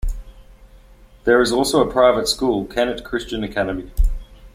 There is also a private school, Kennett Christian Academy.